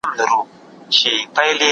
وطن ګل ګلزار کيږي.